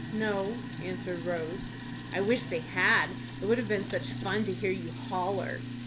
"No," answered Rose. "I wish they had. It would have been such fun to hear you holler."